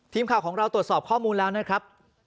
ทีมข่าวของเราตรวจสอบข้อมูลแล้วนะครับ